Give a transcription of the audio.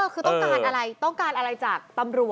คือต้องการอะไรต้องการอะไรจากตำรวจ